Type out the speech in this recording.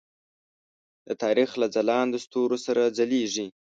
د تاریخ له ځلاندو ستورو سره ځلیږي.